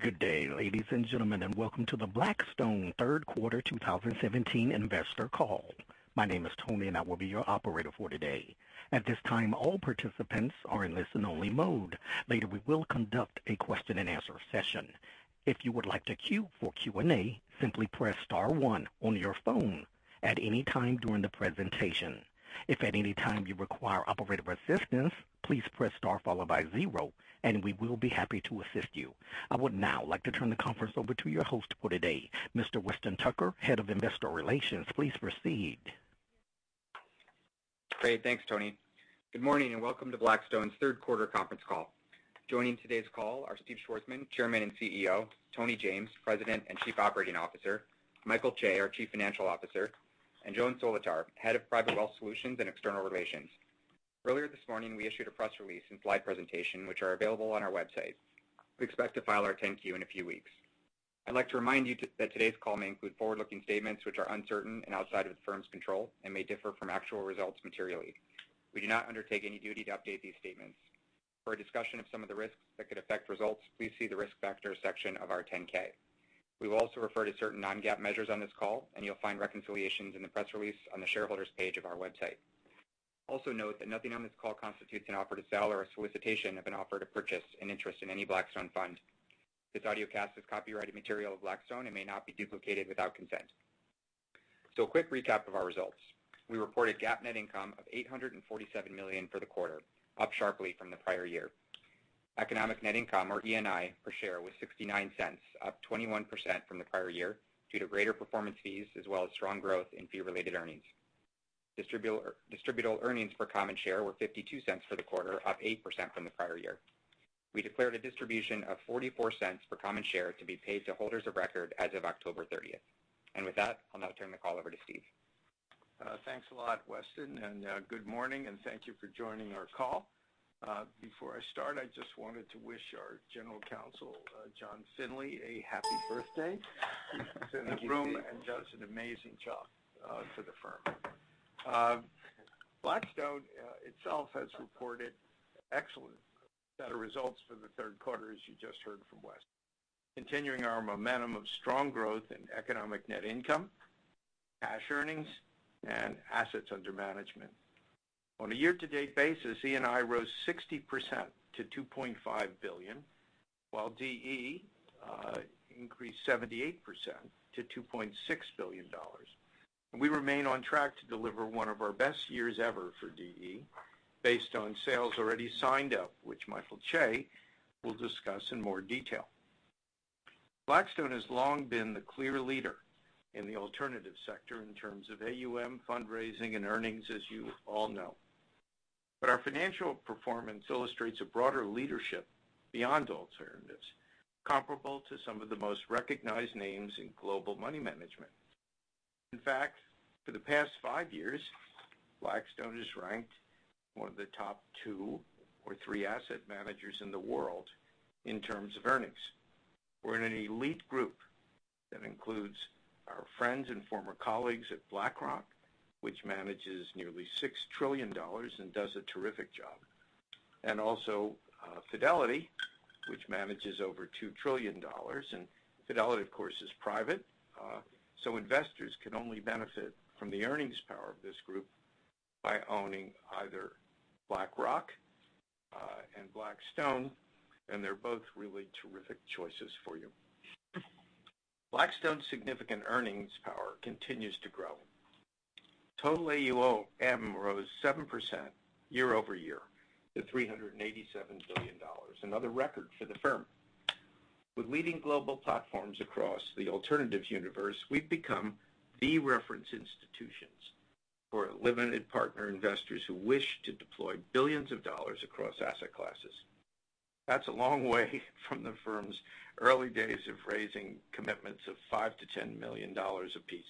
Good day, ladies and gentlemen, welcome to the Blackstone third quarter 2017 investor call. My name is Tony, I will be your operator for today. At this time, all participants are in listen only mode. Later, we will conduct a question and answer session. If you would like to queue for Q&A, simply press star one on your phone at any time during the presentation. If at any time you require operator assistance, please press star followed by zero, we will be happy to assist you. I would now like to turn the conference over to your host for today, Mr. Weston Tucker, Head of Investor Relations. Please proceed. Great. Thanks, Tony. Good morning, welcome to Blackstone's third quarter conference call. Joining today's call are Steve Schwarzman, Chairman and CEO, Tony James, President and Chief Operating Officer, Michael Chae, our Chief Financial Officer, and Joan Solotar, Head of Private Wealth Solutions and External Relations. Earlier this morning, we issued a press release and slide presentation, which are available on our website. We expect to file our 10-Q in a few weeks. I'd like to remind you that today's call may include forward-looking statements which are uncertain and outside of the firm's control and may differ from actual results materially. We do not undertake any duty to update these statements. For a discussion of some of the risks that could affect results, please see the risk factors section of our 10-K. We will also refer to certain non-GAAP measures on this call, you'll find reconciliations in the press release on the shareholders page of our website. Also note that nothing on this call constitutes an offer to sell or a solicitation of an offer to purchase an interest in any Blackstone fund. This audiocast is copyrighted material of Blackstone and may not be duplicated without consent. A quick recap of our results. We reported GAAP net income of $847 million for the quarter, up sharply from the prior year. Economic net income, or ENI, per share was $0.69, up 21% from the prior year due to greater performance fees, as well as strong growth in fee-related earnings. Distributable earnings per common share were $0.52 for the quarter, up 8% from the prior year. We declared a distribution of $0.44 per common share to be paid to holders of record as of October 30th. With that, I'll now turn the call over to Steve. Thanks a lot, Weston. Good morning, and thank you for joining our call. Before I start, I just wanted to wish our General Counsel, John Finley, a happy birthday to the room, and does an amazing job for the firm. Blackstone itself has reported excellent set of results for the third quarter, as you just heard from Weston. Continuing our momentum of strong growth in economic net income, cash earnings, and assets under management. On a year-to-date basis, ENI rose 60% to $2.5 billion, while DE increased 78% to $2.6 billion. We remain on track to deliver one of our best years ever for DE based on sales already signed up, which Michael Chae will discuss in more detail. Blackstone has long been the clear leader in the alternative sector in terms of AUM, fundraising, and earnings, as you all know. Our financial performance illustrates a broader leadership beyond alternatives comparable to some of the most recognized names in global money management. In fact, for the past 5 years, Blackstone is ranked one of the top two or three asset managers in the world in terms of earnings. We're in an elite group that includes our friends and former colleagues at BlackRock, which manages nearly $6 trillion and does a terrific job. Also Fidelity, which manages over $2 trillion. Fidelity, of course, is private. Investors can only benefit from the earnings power of this group by owning either BlackRock, and Blackstone, and they're both really terrific choices for you. Blackstone's significant earnings power continues to grow. Total AUM rose 7% year-over-year to $387 billion, another record for the firm. With leading global platforms across the alternatives universe, we've become the reference institutions for limited partner investors who wish to deploy billions of dollars across asset classes. That's a long way from the firm's early days of raising commitments of $5 million-$10 million apiece.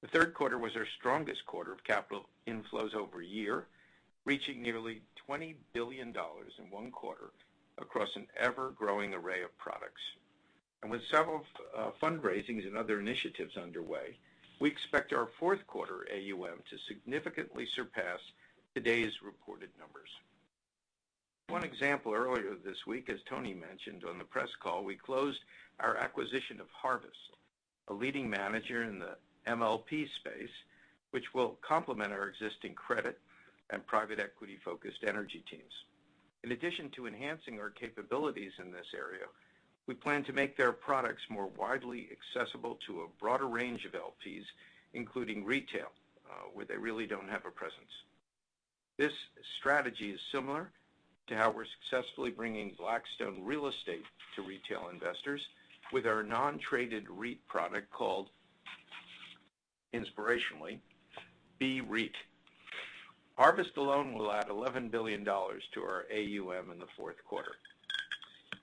The third quarter was our strongest quarter of capital inflows year-over-year, reaching nearly $20 billion in one quarter across an ever-growing array of products. With several fundraisings and other initiatives underway, we expect our fourth quarter AUM to significantly surpass today's reported numbers. One example earlier this week, as Tony mentioned on the press call, we closed our acquisition of Harvest, a leading manager in the MLP space, which will complement our existing credit and private equity-focused energy teams. In addition to enhancing our capabilities in this area, we plan to make their products more widely accessible to a broader range of LPs, including retail, where they really don't have a presence. This strategy is similar to how we're successfully bringing Blackstone real estate to retail investors with our non-traded REIT product called, inspirationally, BREIT. Harvest alone will add $11 billion to our AUM in the fourth quarter.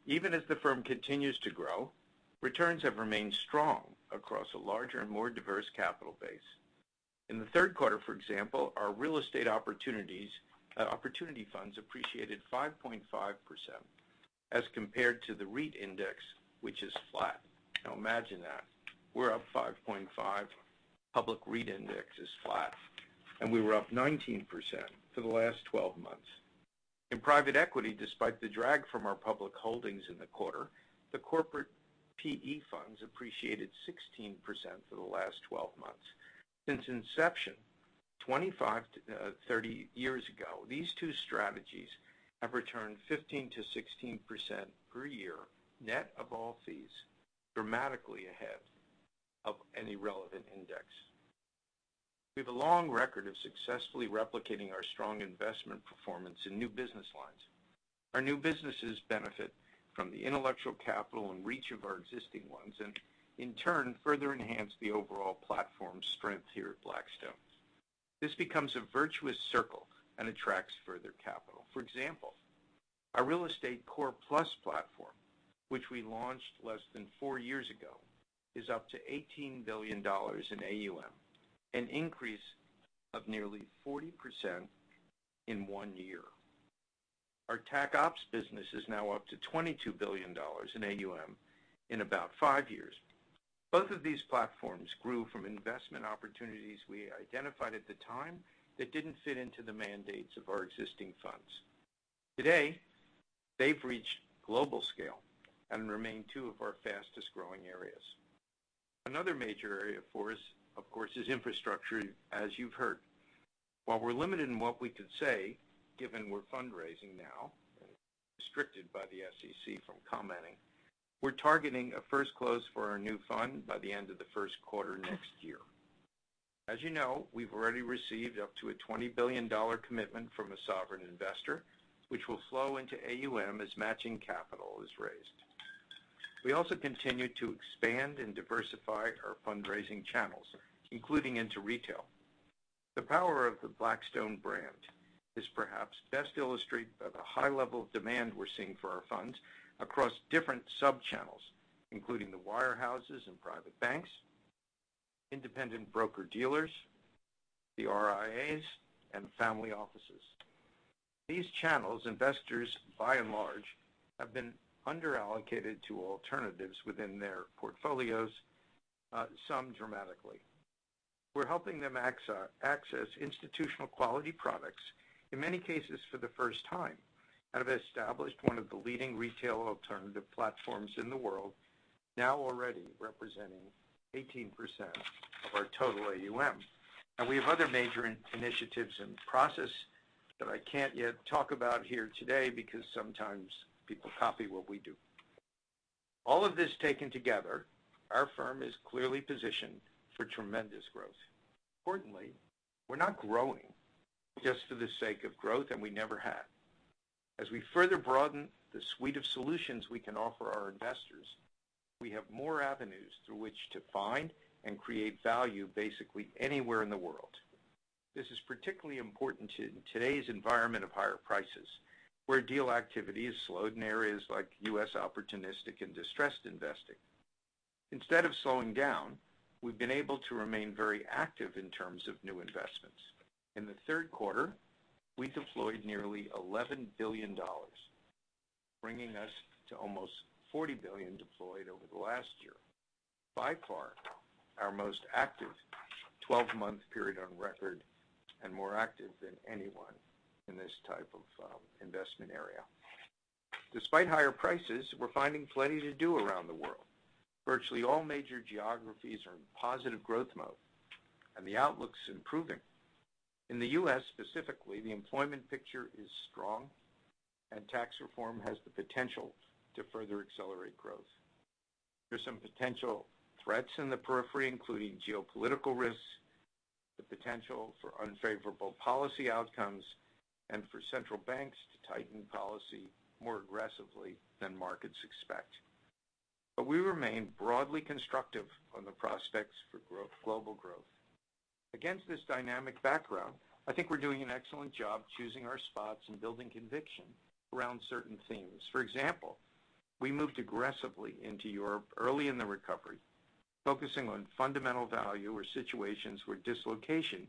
Even as the firm continues to grow, returns have remained strong across a larger and more diverse capital base. In the third quarter, for example, our real estate opportunity funds appreciated 5.5% as compared to the REIT index, which is flat. Now imagine that. We're up 5.5%, public REIT index is flat. We were up 19% for the last 12 months. In private equity, despite the drag from our public holdings in the quarter, the corporate PE funds appreciated 16% for the last 12 months. Since inception 25-30 years ago, these two strategies have returned 15%-16% per year, net of all fees, dramatically ahead of any relevant index. We have a long record of successfully replicating our strong investment performance in new business lines. Our new businesses benefit from the intellectual capital and reach of our existing ones, and in turn, further enhance the overall platform strength here at Blackstone. This becomes a virtuous circle and attracts further capital. For example, our Real Estate Core+ platform, which we launched less than four years ago, is up to $18 billion in AUM, an increase of nearly 40% in one year. Our TacOps business is now up to $22 billion in AUM in about five years. Both of these platforms grew from investment opportunities we identified at the time that didn't fit into the mandates of our existing funds. Today, they've reached global scale and remain two of our fastest-growing areas. Another major area for us, of course, is infrastructure, as you've heard. While we're limited in what we could say, given we're fundraising now and restricted by the SEC from commenting, we're targeting a first close for our new fund by the end of the first quarter next year. As you know, we've already received up to a $20 billion commitment from a sovereign investor, which will flow into AUM as matching capital is raised. We also continue to expand and diversify our fundraising channels, including into retail. The power of the Blackstone brand is perhaps best illustrated by the high level of demand we're seeing for our funds across different sub-channels, including the wirehouses and private banks, independent broker-dealers, the RIAs, and family offices. These channels' investors, by and large, have been under-allocated to alternatives within their portfolios, some dramatically. We're helping them access institutional quality products, in many cases, for the first time, and have established one of the leading retail alternative platforms in the world, now already representing 18% of our total AUM. We have other major initiatives in process that I can't yet talk about here today, because sometimes people copy what we do. All of this taken together, our firm is clearly positioned for tremendous growth. Importantly, we're not growing just for the sake of growth, and we never have. As we further broaden the suite of solutions we can offer our investors, we have more avenues through which to find and create value basically anywhere in the world. This is particularly important in today's environment of higher prices, where deal activity has slowed in areas like U.S. opportunistic and distressed investing. Instead of slowing down, we've been able to remain very active in terms of new investments. In the third quarter, we deployed nearly $11 billion, bringing us to almost $40 billion deployed over the last year, by far our most active 12-month period on record, and more active than anyone in this type of investment area. Despite higher prices, we're finding plenty to do around the world. Virtually all major geographies are in positive growth mode. The outlook's improving. In the U.S. specifically, the employment picture is strong. Tax reform has the potential to further accelerate growth. There's some potential threats in the periphery, including geopolitical risks, the potential for unfavorable policy outcomes, and for central banks to tighten policy more aggressively than markets expect. We remain broadly constructive on the prospects for global growth. Against this dynamic background, I think we're doing an excellent job choosing our spots and building conviction around certain themes. For example, we moved aggressively into Europe early in the recovery, focusing on fundamental value or situations where dislocation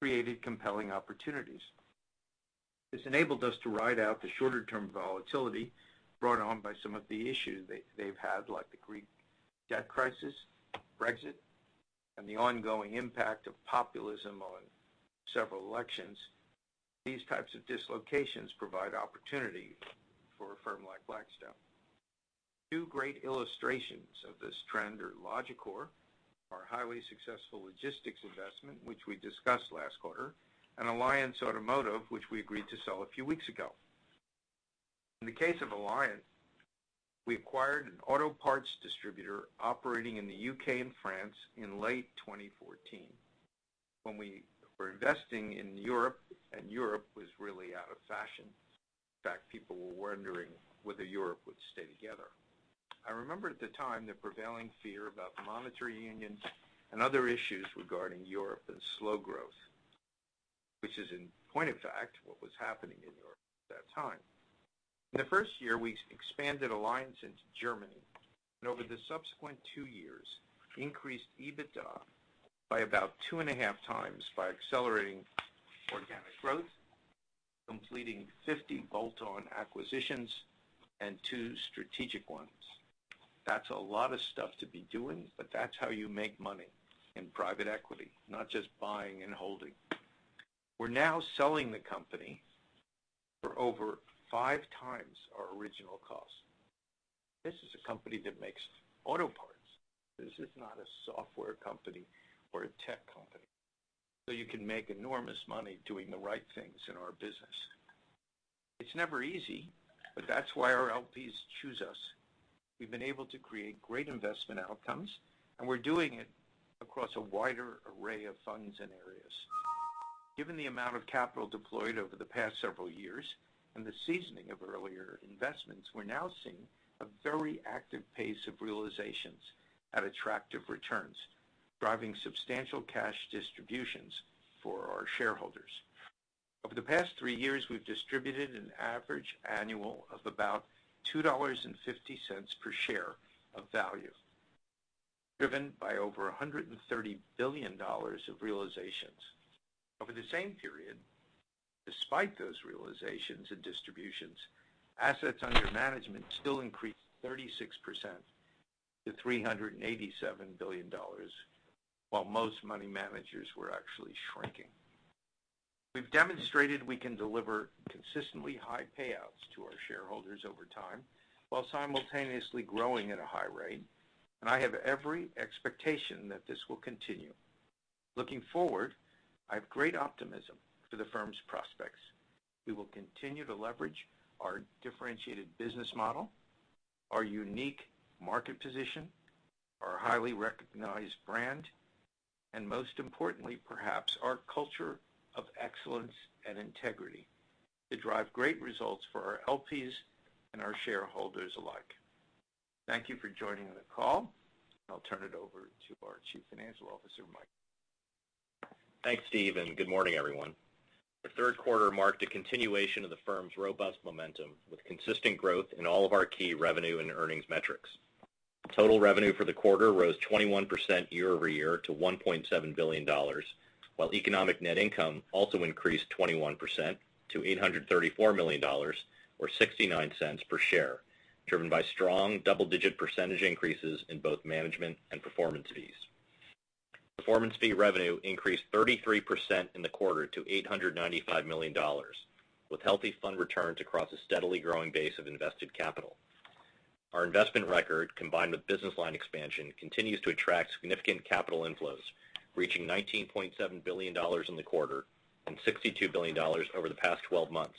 created compelling opportunities. This enabled us to ride out the shorter-term volatility brought on by some of the issues they've had, like the Greek debt crisis, Brexit, and the ongoing impact of populism on several elections. These types of dislocations provide opportunity for a firm like Blackstone. Two great illustrations of this trend are Logicor, our highly successful logistics investment, which we discussed last quarter. Alliance Automotive, which we agreed to sell a few weeks ago. In the case of Alliance, we acquired an auto parts distributor operating in the U.K. and France in late 2014 when we were investing in Europe. Europe was really out of fashion. In fact, people were wondering whether Europe would stay together. I remember at the time the prevailing fear about the monetary union and other issues regarding Europe and slow growth, which is in point of fact, what was happening in Europe at that time. In the first year, we expanded Alliance into Germany. Over the subsequent two years, increased EBITDA by about two and a half times by accelerating growth, completing 50 bolt-on acquisitions and two strategic ones. That's a lot of stuff to be doing. That's how you make money in private equity, not just buying and holding. We're now selling the company for over five times our original cost. This is a company that makes auto parts. This is not a software company or a tech company. You can make enormous money doing the right things in our business. It's never easy. That's why our LPs choose us. We've been able to create great investment outcomes. We're doing it across a wider array of funds and areas. Given the amount of capital deployed over the past several years and the seasoning of earlier investments, we're now seeing a very active pace of realizations at attractive returns, driving substantial cash distributions for our shareholders. Over the past three years, we've distributed an average annual of about $2.50 per share of value, driven by over $130 billion of realizations. Over the same period, despite those realizations and distributions, assets under management still increased 36% to $387 billion, while most money managers were actually shrinking. We've demonstrated we can deliver consistently high payouts to our shareholders over time while simultaneously growing at a high rate. I have every expectation that this will continue. Looking forward, I have great optimism for the firm's prospects. We will continue to leverage our differentiated business model, our unique market position, our highly recognized brand, and most importantly, perhaps our culture of excellence and integrity to drive great results for our LPs and our shareholders alike. Thank you for joining the call. I'll turn it over to our Chief Financial Officer, Mike. Thanks, Steve, and good morning, everyone. The third quarter marked a continuation of the firm's robust momentum with consistent growth in all of our key revenue and earnings metrics. Total revenue for the quarter rose 21% year-over-year to $1.7 billion, while economic net income also increased 21% to $834 million, or $0.69 per share, driven by strong double-digit % increases in both management and performance fees. Performance fee revenue increased 33% in the quarter to $895 million with healthy fund returns across a steadily growing base of invested capital. Our investment record, combined with business line expansion, continues to attract significant capital inflows, reaching $19.7 billion in the quarter and $62 billion over the past 12 months,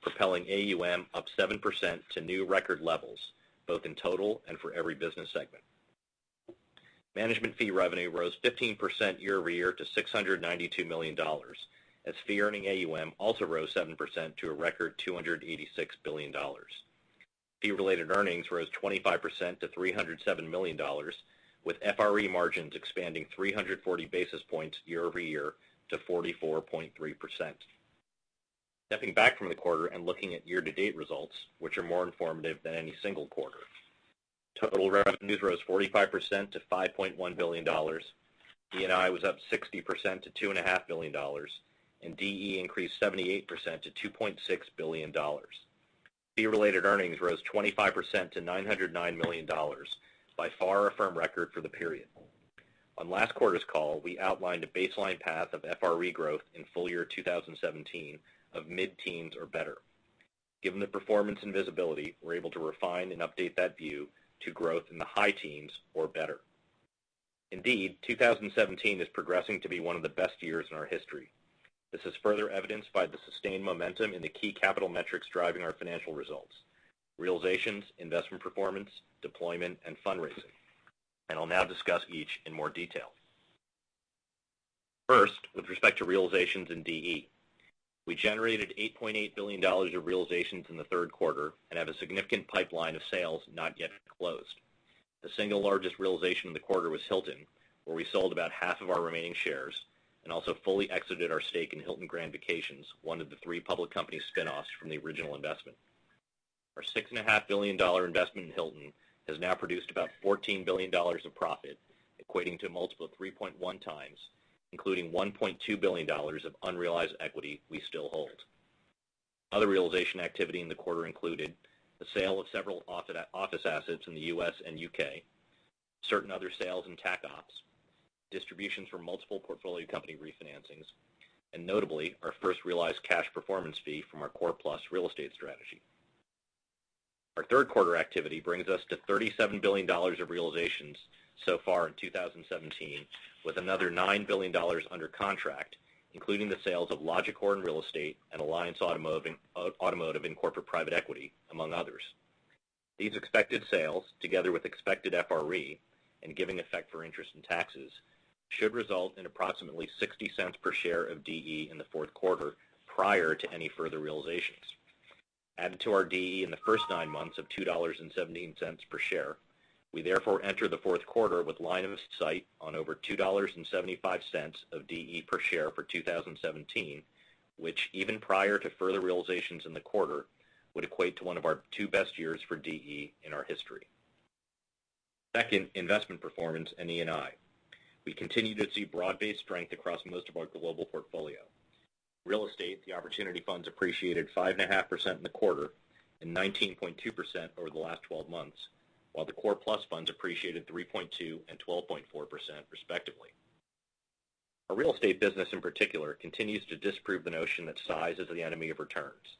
propelling AUM up 7% to new record levels, both in total and for every business segment. Management fee revenue rose 15% year-over-year to $692 million as fee earning AUM also rose 7% to a record $286 billion. Fee-related earnings rose 25% to $307 million with FRE margins expanding 340 basis points year-over-year to 44.3%. Stepping back from the quarter and looking at year-to-date results, which are more informative than any single quarter. Total revenues rose 45% to $5.1 billion. ENI was up 60% to $2.5 billion and DE increased 78% to $2.6 billion. Fee-related earnings rose 25% to $909 million, by far a firm record for the period. On last quarter's call, we outlined a baseline path of FRE growth in full year 2017 of mid-teens or better. Given the performance and visibility, we're able to refine and update that view to growth in the high teens or better. Indeed, 2017 is progressing to be one of the best years in our history. This is further evidenced by the sustained momentum in the key capital metrics driving our financial results, realizations, investment performance, deployment, and fundraising. I'll now discuss each in more detail. First, with respect to realizations in DE. We generated $8.8 billion of realizations in the third quarter and have a significant pipeline of sales not yet closed. The single largest realization in the quarter was Hilton, where we sold about half of our remaining shares and also fully exited our stake in Hilton Grand Vacations, one of the three public company spinoffs from the original investment. Our $6.5 billion investment in Hilton has now produced about $14 billion of profit, equating to a multiple of 3.1x, including $1.2 billion of unrealized equity we still hold. Other realization activity in the quarter included the sale of several office assets in the U.S. and U.K., certain other sales and TacOps, distributions from multiple portfolio company refinancings, and notably, our first realized cash performance fee from our Core+ real estate strategy. Our third quarter activity brings us to $37 billion of realizations so far in 2017, with another $9 billion under contract, including the sales of Logicor in real estate and Alliance Automotive in corporate private equity, among others. These expected sales, together with expected FRE and giving effect for interest in taxes, should result in approximately $0.60 per share of DE in the fourth quarter prior to any further realizations. Added to our DE in the first nine months of $2.17 per share, we therefore enter the fourth quarter with line of sight on over $2.75 of DE per share for 2017, which even prior to further realizations in the quarter, would equate to one of our two best years for DE in our history. Second, investment performance and ENI. We continue to see broad-based strength across most of our global portfolio. Real estate, the opportunity funds appreciated 5.5% in the quarter and 19.2% over the last 12 months, while the Core+ funds appreciated 3.2% and 12.4%, respectively. Our real estate business in particular continues to disprove the notion that size is the enemy of returns.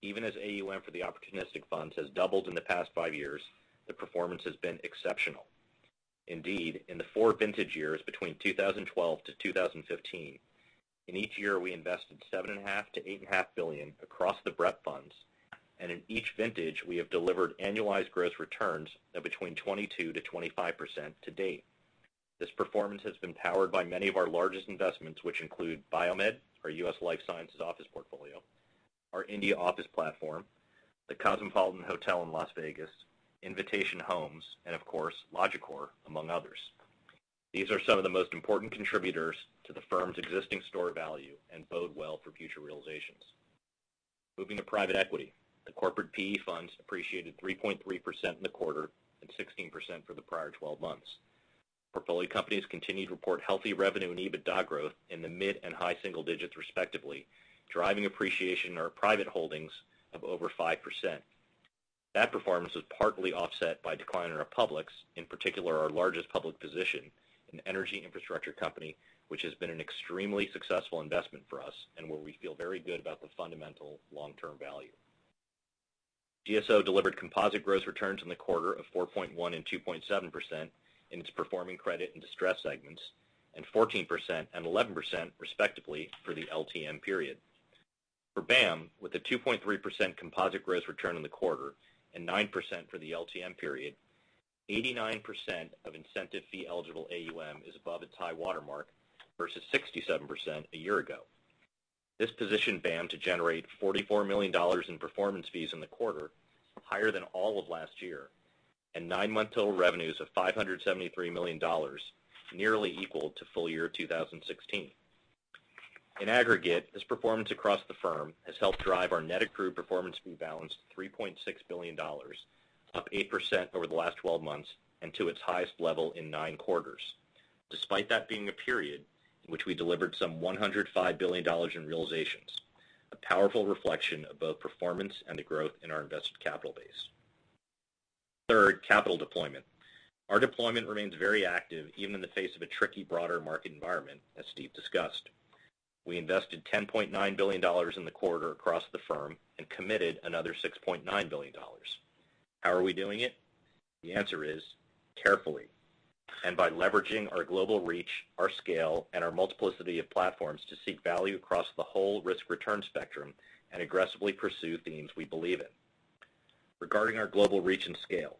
Even as AUM for the opportunistic funds has doubled in the past five years, the performance has been exceptional. In the four vintage years between 2012 to 2015, in each year, we invested $7.5 billion to $8.5 billion across the BREP funds, and in each vintage, we have delivered annualized gross returns of between 22%-25% to date. This performance has been powered by many of our largest investments, which include BioMed, our U.S. life sciences office portfolio, our India office platform, The Cosmopolitan of Las Vegas, Invitation Homes, and of course, Logicor, among others. These are some of the most important contributors to the firm's existing stored value and bode well for future realizations. Moving to private equity. The corporate PE funds appreciated 3.3% in the quarter and 16% for the prior 12 months. Portfolio companies continued to report healthy revenue and EBITDA growth in the mid and high single digits respectively, driving appreciation in our private holdings of over 5%. That performance was partly offset by decline in our publics, in particular, our largest public position, an energy infrastructure company, which has been an extremely successful investment for us, and where we feel very good about the fundamental long-term value. GSO delivered composite gross returns in the quarter of 4.1% and 2.7% in its performing credit and distress segments, and 14% and 11%, respectively, for the LTM period. For BAAM, with a 2.3% composite gross return in the quarter and 9% for the LTM period, 89% of incentive fee-eligible AUM is above its high water mark versus 67% a year ago. This positioned BAAM to generate $44 million in performance fees in the quarter, higher than all of last year, and nine-month total revenues of $573 million, nearly equal to full year 2016. In aggregate, this performance across the firm has helped drive our net accrued performance fee balance to $3.6 billion, up 8% over the last 12 months, and to its highest level in nine quarters. Despite that being a period in which we delivered some $105 billion in realizations, a powerful reflection of both performance and the growth in our invested capital base. Third, capital deployment. Our deployment remains very active even in the face of a tricky broader market environment, as Steve discussed. We invested $10.9 billion in the quarter across the firm and committed another $6.9 billion. How are we doing it? The answer is carefully, and by leveraging our global reach, our scale, and our multiplicity of platforms to seek value across the whole risk-return spectrum and aggressively pursue themes we believe in. Regarding our global reach and scale,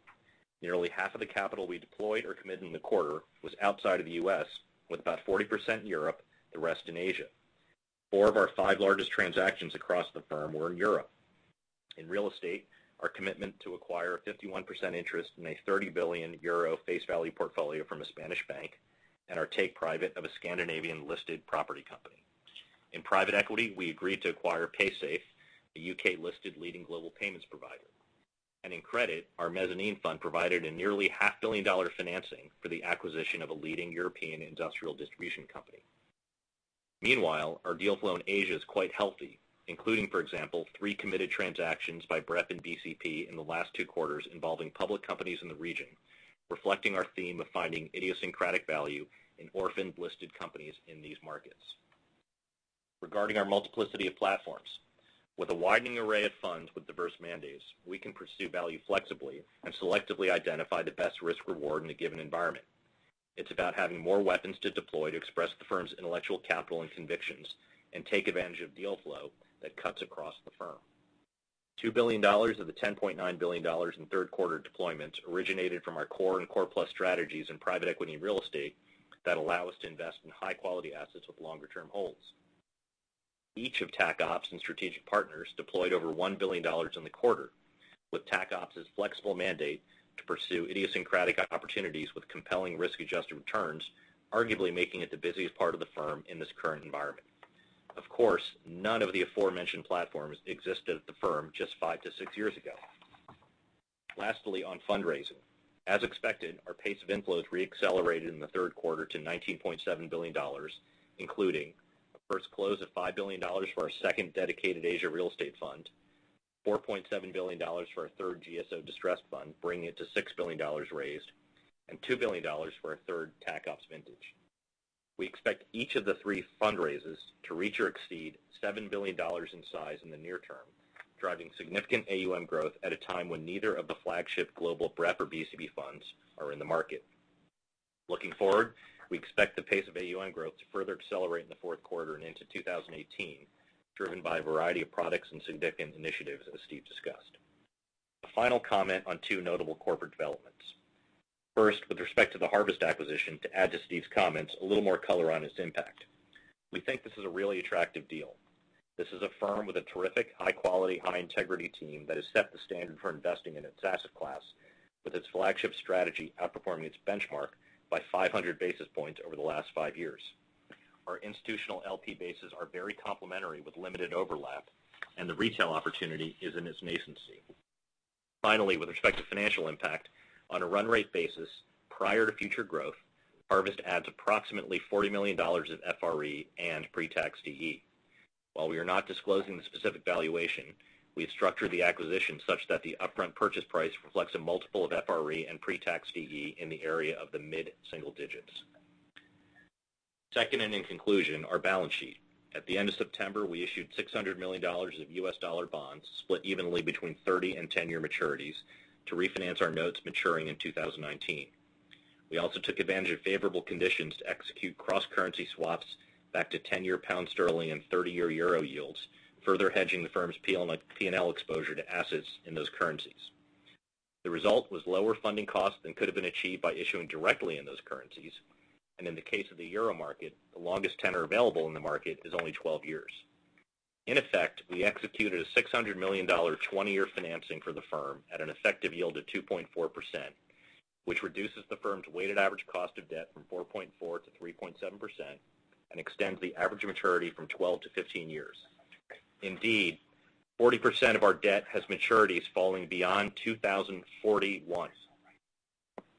nearly half of the capital we deployed or committed in the quarter was outside of the U.S., with about 40% in Europe, the rest in Asia. Four of our five largest transactions across the firm were in Europe. In real estate, our commitment to acquire a 51% interest in a 30 billion euro face value portfolio from a Spanish bank, and our take private of a Scandinavian-listed property company. In private equity, we agreed to acquire Paysafe, a U.K.-listed leading global payments provider. In credit, our mezzanine fund provided a nearly half-billion-dollar financing for the acquisition of a leading European industrial distribution company. Meanwhile, our deal flow in Asia is quite healthy, including, for example, three committed transactions by BREP and BCP in the last two quarters involving public companies in the region, reflecting our theme of finding idiosyncratic value in orphaned listed companies in these markets. Regarding our multiplicity of platforms, with a widening array of funds with diverse mandates, we can pursue value flexibly and selectively identify the best risk-reward in a given environment. It's about having more weapons to deploy to express the firm's intellectual capital and convictions and take advantage of deal flow that cuts across the firm. $2 billion of the $10.9 billion in third quarter deployments originated from our core and Core+ strategies in private equity and real estate that allow us to invest in high-quality assets with longer-term holds. Each of TacOps and Strategic Partners deployed over $1 billion in the quarter, with TacOps' flexible mandate to pursue idiosyncratic opportunities with compelling risk-adjusted returns, arguably making it the busiest part of the firm in this current environment. Of course, none of the aforementioned platforms existed at the firm just five to six years ago. Lastly, on fundraising. As expected, our pace of inflows re-accelerated in the third quarter to $19.7 billion, including a first close of $5 billion for our second dedicated Asia real estate fund, $4.7 billion for our third GSO distressed fund, bringing it to $6 billion raised, and $2 billion for our third TacOps vintage. We expect each of the three fundraisers to reach or exceed $7 billion in size in the near term, driving significant AUM growth at a time when neither of the flagship global BREP or BCP funds are in the market. Looking forward, we expect the pace of AUM growth to further accelerate in the fourth quarter and into 2018, driven by a variety of products and significant initiatives, as Steve discussed. A final comment on two notable corporate developments. First, with respect to the Harvest acquisition, to add to Steve's comments, a little more color on its impact. We think this is a really attractive deal. This is a firm with a terrific high-quality, high-integrity team that has set the standard for investing in its asset class, with its flagship strategy outperforming its benchmark by 500 basis points over the last five years. Our institutional LP bases are very complementary with limited overlap, and the retail opportunity is in its nascency. Finally, with respect to financial impact, on a run rate basis, prior to future growth, Harvest adds approximately $40 million of FRE and pre-tax DE. While we are not disclosing the specific valuation, we have structured the acquisition such that the upfront purchase price reflects a multiple of FRE and pre-tax DE in the area of the mid-single digits. Second, in conclusion, our balance sheet. At the end of September, we issued $600 million of U.S. dollar bonds, split evenly between 30- and 10-year maturities to refinance our notes maturing in 2019. We also took advantage of favorable conditions to execute cross-currency swaps back to 10-year pound and 30-year EUR yields, further hedging the firm's P&L exposure to assets in those currencies. The result was lower funding costs than could have been achieved by issuing directly in those currencies. In the case of the EUR market, the longest tenor available in the market is only 12 years. In effect, we executed a $600 million 20-year financing for the firm at an effective yield of 2.4%, which reduces the firm's weighted average cost of debt from 4.4% to 3.7% and extends the average maturity from 12 to 15 years. Indeed, 40% of our debt has maturities falling beyond 2041,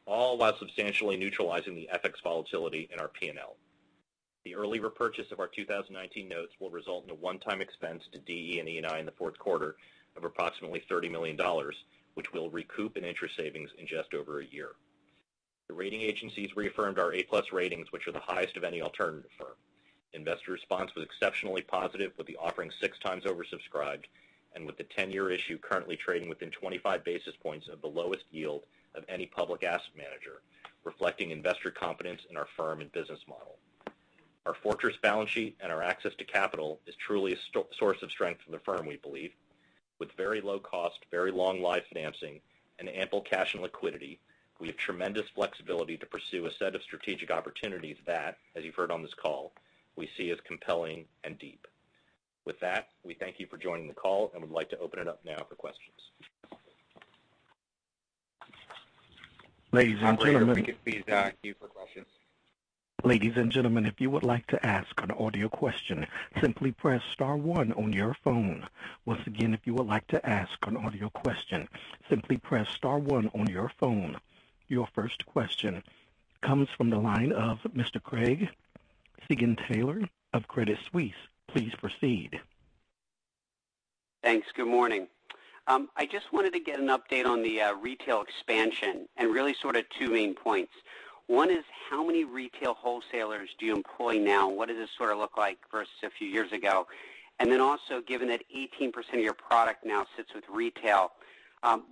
all while substantially neutralizing the FX volatility in our P&L. The early repurchase of our 2019 notes will result in a one-time expense to DE and ENI in the fourth quarter of approximately $30 million, which we'll recoup in interest savings in just over a year. The rating agencies reaffirmed our A+ ratings, which are the highest of any alternative firm. Investor response was exceptionally positive, with the offering six times oversubscribed, with the 10-year issue currently trading within 25 basis points of the lowest yield of any public asset manager, reflecting investor confidence in our firm and business model. Our fortress balance sheet and our access to capital is truly a source of strength for the firm, we believe. With very low cost, very long life financing, and ample cash and liquidity, we have tremendous flexibility to pursue a set of strategic opportunities that, as you've heard on this call, we see as compelling and deep. With that, we thank you for joining the call and would like to open it up now for questions. Ladies and gentlemen. Operator, if we could please queue for questions. Ladies and gentlemen, if you would like to ask an audio question, simply press *1 on your phone. Once again, if you would like to ask an audio question, simply press *1 on your phone. Your first question comes from the line of Mr. Craig Siegenthaler of Credit Suisse. Please proceed. Thanks. Good morning. I just wanted to get an update on the retail expansion and really sort of two main points. One is how many retail wholesalers do you employ now, and what does this sort of look like versus a few years ago? Given that 18% of your product now sits with retail,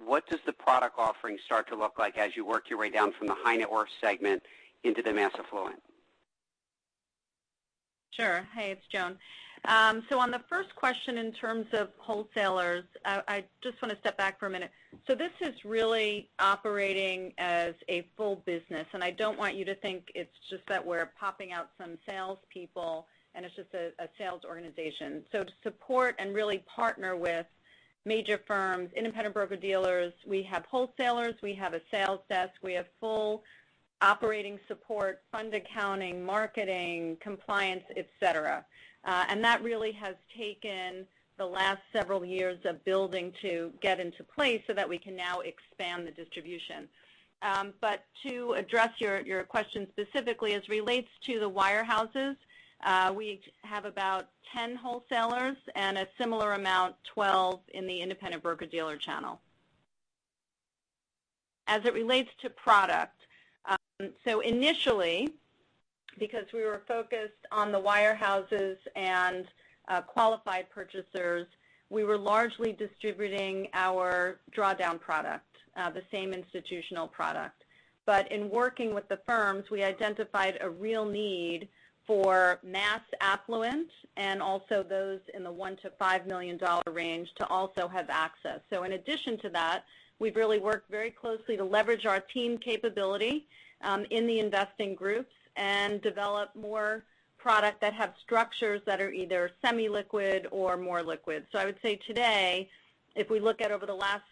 what does the product offering start to look like as you work your way down from the high net worth segment into the mass affluent? Sure. Hey, it's Joan. On the first question in terms of wholesalers, I just want to step back for a minute. This is really operating as a full business, and I don't want you to think it's just that we're popping out some salespeople and it's just a sales organization. To support and really partner with major firms, independent broker-dealers, we have wholesalers, we have a sales desk, we have full operating support, fund accounting, marketing, compliance, et cetera. That really has taken the last several years of building to get into place so that we can now expand the distribution. To address your question specifically, as relates to the wirehouses, we have about 10 wholesalers and a similar amount, 12, in the independent broker-dealer channel. As it relates to product, initially, because we were focused on the wirehouses and qualified purchasers, we were largely distributing our drawdown product, the same institutional product. In working with the firms, we identified a real need for mass affluent and also those in the $1 million-$5 million range to also have access. In addition to that, we've really worked very closely to leverage our team capability in the investing groups and develop more product that have structures that are either semi-liquid or more liquid. I would say today, if we look at over the last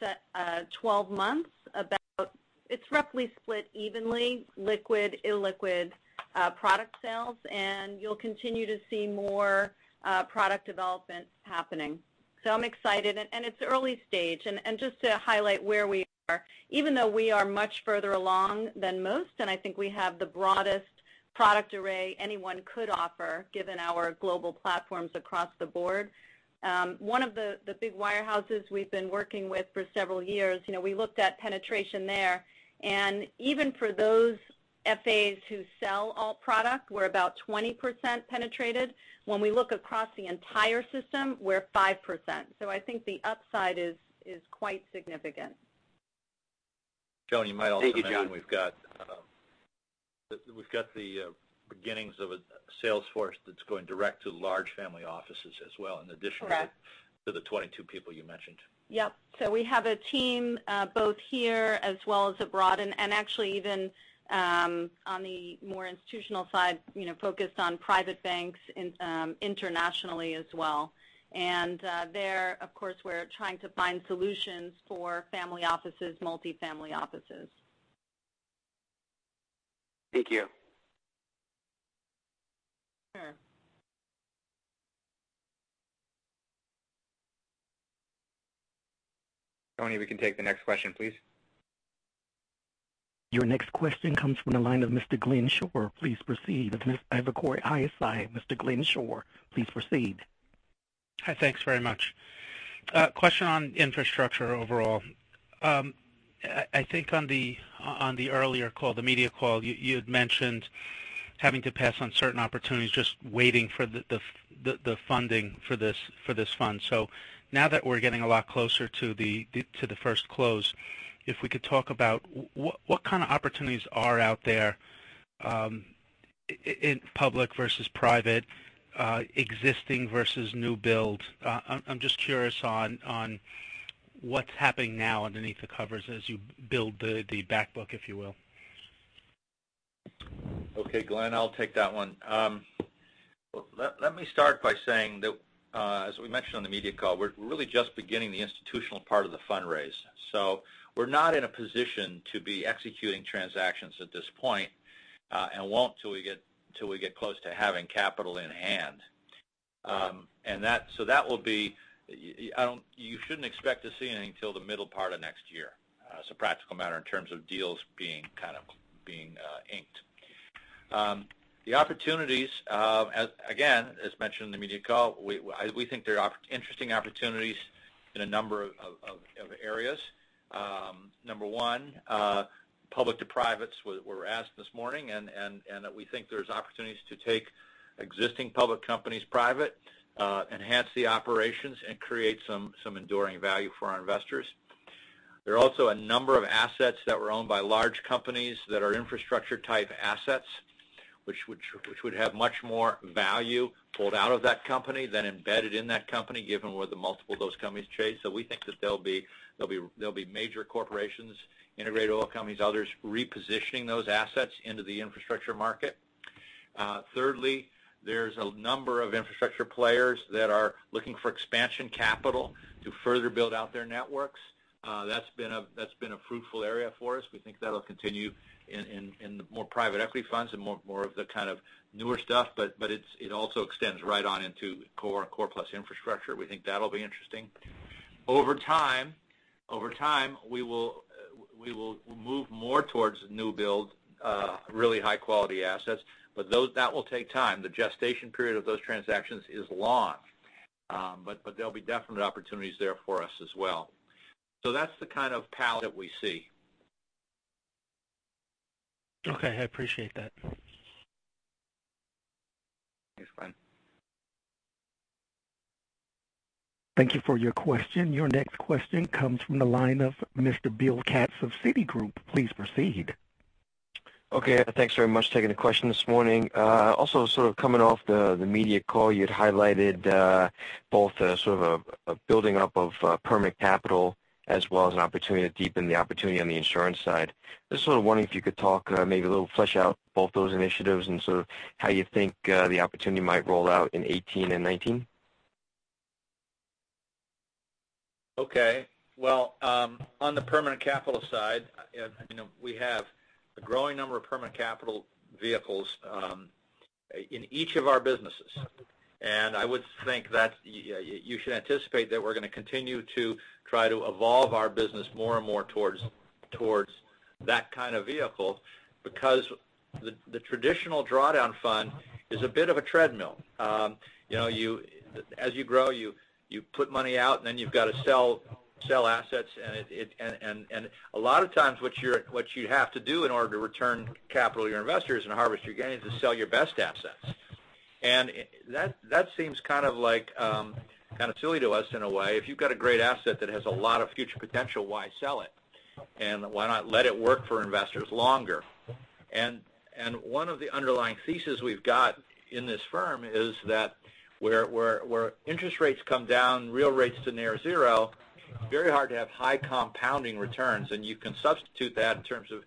12 months, it's roughly split evenly liquid, illiquid product sales, and you'll continue to see more product development happening. I'm excited. It's early stage. Just to highlight where we are, even though we are much further along than most, and I think we have the broadest product array anyone could offer, given our global platforms across the board. One of the big wirehouses we've been working with for several years, we looked at penetration there, and even for those FAs who sell alt product, we're about 20% penetrated. When we look across the entire system, we're 5%. I think the upside is quite significant. Joan, you might also mention. Thank you, Joan. We've got the beginnings of a sales force that's going direct to large family offices as well. Correct The 22 people you mentioned. Yep. We have a team both here as well as abroad, and actually even on the more institutional side, focused on private banks internationally as well. There, of course, we're trying to find solutions for family offices, multifamily offices. Thank you. Sure. Tony, we can take the next question, please. Your next question comes from the line of Mr. Glenn Schorr. Please proceed. Of Evercore ISI, Mr. Glenn Schorr, please proceed. Hi, thanks very much. A question on infrastructure overall. I think on the earlier call, the media call, you had mentioned having to pass on certain opportunities, just waiting for the funding for this fund. Now that we're getting a lot closer to the first close, if we could talk about what kind of opportunities are out there in public versus private, existing versus new build. I'm just curious on what's happening now underneath the covers as you build the back book, if you will. Okay, Glenn, I'll take that one. Let me start by saying that, as we mentioned on the media call, we're really just beginning the institutional part of the fundraise. We're not in a position to be executing transactions at this point, and won't till we get close to having capital in hand. You shouldn't expect to see anything till the middle part of next year, as a practical matter, in terms of deals being inked. The opportunities, again, as mentioned in the media call, we think there are interesting opportunities in a number of areas. Number one, public to privates were asked this morning, and that we think there's opportunities to take existing public companies private, enhance the operations, and create some enduring value for our investors. There are also a number of assets that were owned by large companies that are infrastructure type assets, which would have much more value pulled out of that company than embedded in that company, given where the multiple of those companies trade. We think that there'll be major corporations, integrated oil companies, others, repositioning those assets into the infrastructure market. Thirdly, there's a number of infrastructure players that are looking for expansion capital to further build out their networks. That's been a fruitful area for us. We think that'll continue in the more private equity funds and more of the kind of newer stuff, but it also extends right on into Core+ infrastructure. We think that'll be interesting. Over time, we will move more towards new build, really high quality assets. That will take time. The gestation period of those transactions is long. There'll be definite opportunities there for us as well. That's the kind of palette that we see. Okay. I appreciate that. Thanks, Glenn. Thank you for your question. Your next question comes from the line of Mr. Bill Katz of Citigroup. Please proceed. Okay. Thanks very much for taking the question this morning. Sort of coming off the media call, you had highlighted both a sort of a building up of permanent capital as well as an opportunity to deepen the opportunity on the insurance side. Just sort of wondering if you could talk, maybe a little flesh out both those initiatives and sort of how you think the opportunity might roll out in 2018 and 2019. Okay. Well, on the permanent capital side, we have a growing number of permanent capital vehicles in each of our businesses. I would think that you should anticipate that we're going to continue to try to evolve our business more and more towards that kind of vehicle because the traditional drawdown fund is a bit of a treadmill. As you grow, you put money out, then you've got to sell assets, a lot of times what you have to do in order to return capital to your investors and harvest your gains is sell your best assets. That seems kind of silly to us in a way. If you've got a great asset that has a lot of future potential, why sell it? Why not let it work for investors longer? One of the underlying thesis we've got in this firm is that where interest rates come down, real rates to near zero, very hard to have high compounding returns. You can substitute that in terms of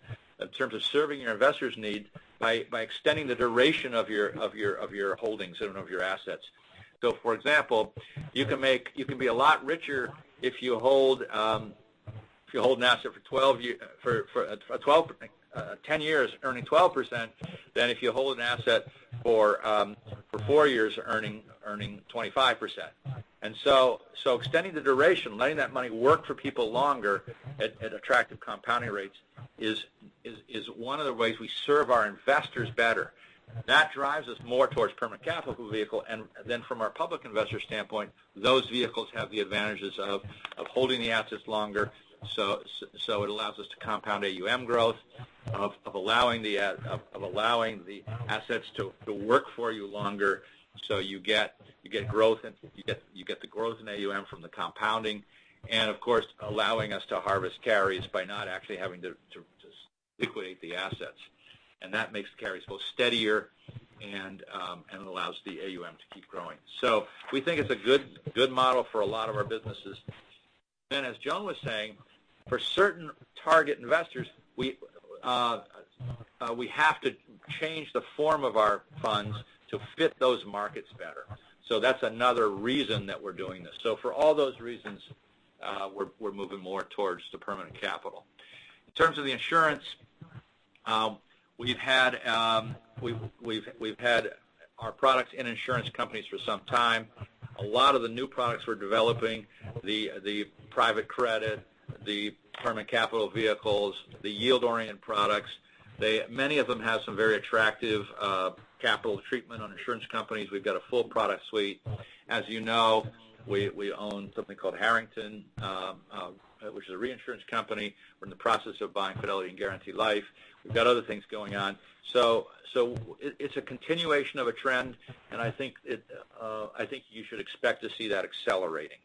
serving your investors' need by extending the duration of your holdings and of your assets. For example, you can be a lot richer if you hold an asset for 10 years earning 12%, than if you hold an asset for four years earning 25%. Extending the duration, letting that money work for people longer at attractive compounding rates is one of the ways we serve our investors better. That drives us more towards permanent capital vehicle. From our public investor standpoint, those vehicles have the advantages of holding the assets longer, so it allows us to compound AUM growth, of allowing the assets to work for you longer, so you get the growth in AUM from the compounding. Of course, allowing us to harvest carries by not actually having to liquidate the assets. That makes the carries both steadier and allows the AUM to keep growing. We think it's a good model for a lot of our businesses. As Joan was saying, for certain target investors, we have to change the form of our funds to fit those markets better. That's another reason that we're doing this. For all those reasons, we're moving more towards the permanent capital. In terms of the insurance, we've had our products in insurance companies for some time. A lot of the new products we're developing, the private credit, the permanent capital vehicles, the yield-oriented products, many of them have some very attractive capital treatment on insurance companies. We've got a full product suite. As you know, we own something called Harrington, which is a reinsurance company. We're in the process of buying Fidelity & Guaranty Life. We've got other things going on. It's a continuation of a trend, and I think you should expect to see that accelerating.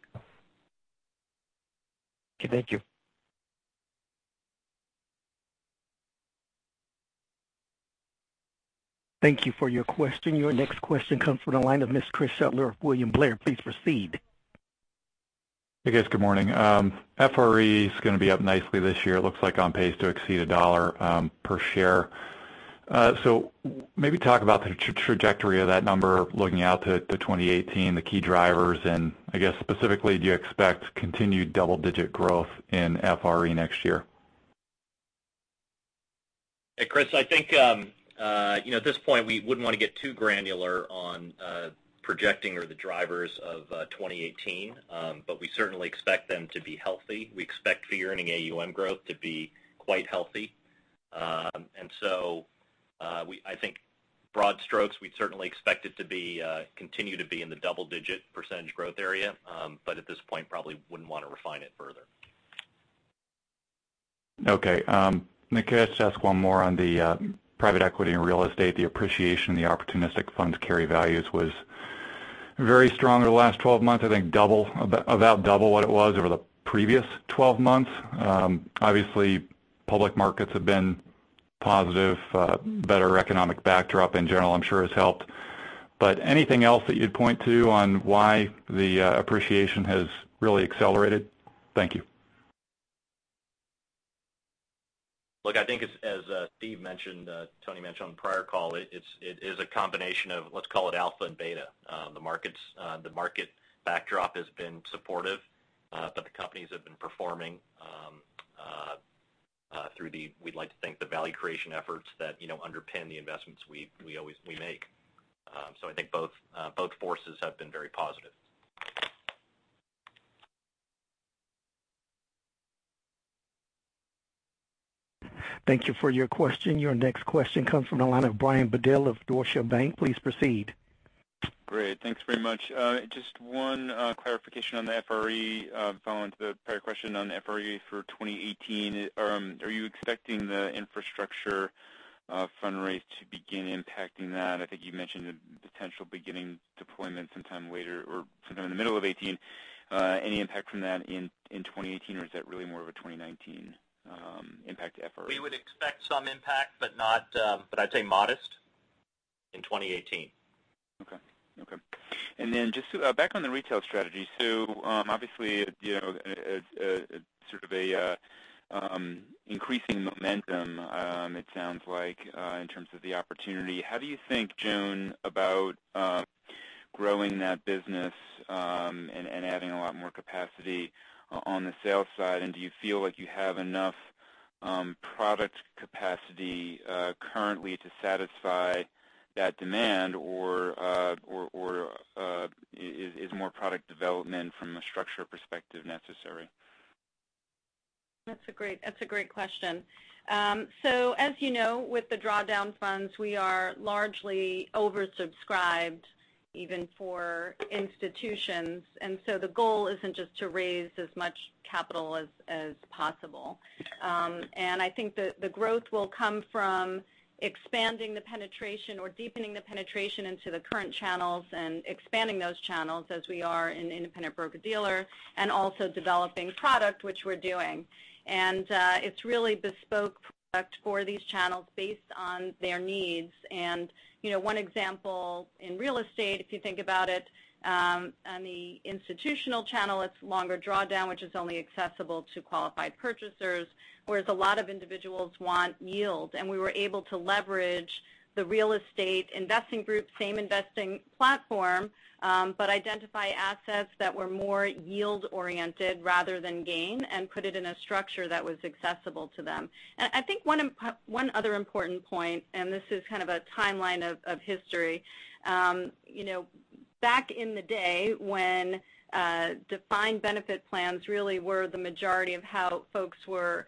Okay, thank you. Thank you for your question. Your next question comes from the line of Ms. Chris Shutler of William Blair. Please proceed. Hey, guys. Good morning. FRE is going to be up nicely this year. It looks like on pace to exceed $1 per share. Maybe talk about the trajectory of that number looking out to 2018, the key drivers, and I guess specifically, do you expect continued double-digit growth in FRE next year? Hey, Chris. I think at this point we wouldn't want to get too granular on projecting or the drivers of 2018. We certainly expect them to be healthy. We expect fee earning AUM growth to be quite healthy. I think broad strokes, we'd certainly expect it to continue to be in the double-digit percentage growth area. At this point, probably wouldn't want to refine it further. Okay. Can I just ask one more on the private equity and real estate, the appreciation, the opportunistic funds carry values was very strong over the last 12 months, I think about double what it was over the previous 12 months. Obviously, public markets have been positive. Better economic backdrop in general I'm sure has helped. Anything else that you'd point to on why the appreciation has really accelerated? Thank you. Look, I think as Steve mentioned, Tony mentioned on the prior call, it is a combination of let's call it alpha and beta. The market backdrop has been supportive but the companies have been performing through the, we'd like to think, the value creation efforts that underpin the investments we make. I think both forces have been very positive. Thank you for your question. Your next question comes from the line of Brian Bedell of Deutsche Bank. Please proceed. Great. Thanks very much. One clarification on the FRE. Following the prior question on the FRE for 2018, are you expecting the infrastructure fundraise to begin impacting that? I think you mentioned the potential beginning deployment sometime later or sometime in the middle of 2018. Any impact from that in 2018, or is that really more of a 2019 impact to FRE? We would expect some impact but I'd say modest in 2018. Okay. Then just back on the retail strategy. Obviously, sort of an increasing momentum it sounds like in terms of the opportunity. How do you think, Joan, about growing that business and adding a lot more capacity on the sales side, and do you feel like you have enough product capacity currently to satisfy that demand, or is more product development from a structure perspective necessary? That's a great question. As you know, with the drawdown funds, we are largely oversubscribed even for institutions. The goal isn't just to raise as much capital as possible. I think that the growth will come from expanding the penetration or deepening the penetration into the current channels and expanding those channels as we are in independent broker-dealer and also developing product, which we're doing. It's really bespoke product for these channels based on their needs. One example in real estate, if you think about it, on the institutional channel, it's longer drawdown, which is only accessible to qualified purchasers, whereas a lot of individuals want yield. We were able to leverage the real estate investing group, same investing platform but identify assets that were more yield-oriented rather than gain, and put it in a structure that was accessible to them. I think one other important point, this is kind of a timeline of history. Back in the day when defined benefit plans really were the majority of how folks were